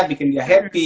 yang harus dia happy